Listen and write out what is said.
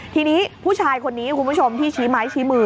ทีนี้ผู้ชายคนนี้คุณผู้ชมที่ชี้ไม้ชี้มือ